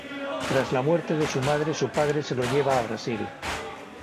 Tras la muerte de su madre, su padre se lo lleva a Brasil.